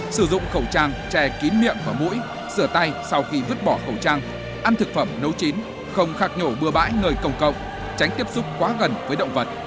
sử dụng khẩu trang che kín miệng và mũi sửa tay sau khi vứt bỏ khẩu trang ăn thực phẩm nấu chín không khạc nhổ bừa bãi người công cộng tránh tiếp xúc quá gần với động vật